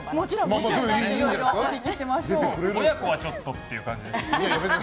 親子はちょっとていう感じですよね。